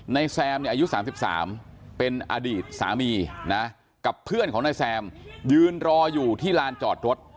แซมเนี่ยอายุ๓๓เป็นอดีตสามีนะกับเพื่อนของนายแซมยืนรออยู่ที่ลานจอดรถ